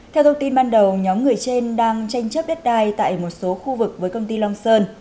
theo thông tin ban đầu nhóm người trên đang tranh chấp đất đai tại một số khu vực với công ty long sơn